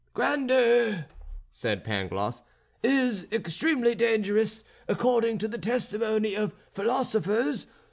"Grandeur," said Pangloss, "is extremely dangerous according to the testimony of philosophers.